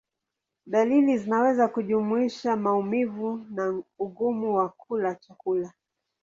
Dalili zinaweza kujumuisha maumivu na ugumu wa kula chakula.